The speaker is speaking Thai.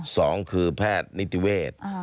สองคือแพทย์นิติเวศ